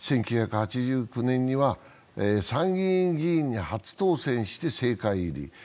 １９８９年には、参議院議員に初当選して政界入り。